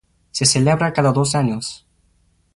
Se celebra cada dos años.